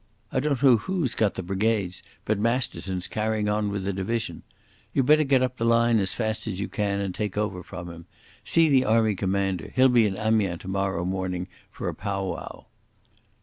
I don't know who's got the brigades, but Masterton's carrying on with the division.... You'd better get up the line as fast as you can and take over from him. See the Army Commander. He'll be in Amiens tomorrow morning for a pow wow."